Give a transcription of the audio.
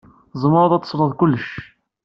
Tzemreḍ ad tesleḍ kullec.